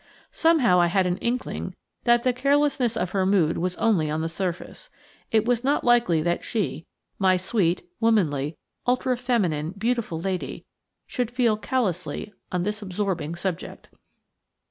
Somehow I had an inkling that the carelessness of her mood was only on the surface. It was not likely that she–my sweet, womanly, ultra feminine, beautiful lady–should feel callously on this absorbing subject.